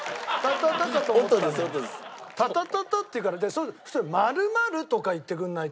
「タタタタ」って言うから○○とか言ってくれないと。